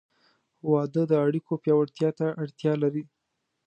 • واده د اړیکو پیاوړتیا ته اړتیا لري.